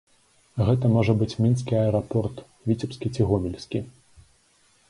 Гэта можа быць мінскі аэрапорт, віцебскі ці гомельскі.